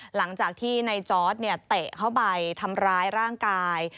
หลังจากที่ในจอร์ดเตะเข้าไปทำร้ายร่างกาย